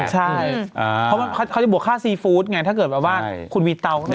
ใช่เพราะเขาจะบวกค่าซีฟู้ดไงถ้าเกิดแบบว่าคุณมีเตา